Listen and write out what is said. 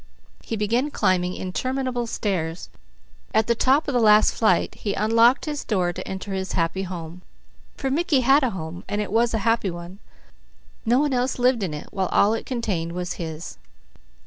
He began climbing interminable stairs. At the top of the last flight he unlocked his door to enter his happy home; for Mickey had a home, and it was a happy one. No one else lived in it, while all it contained was his.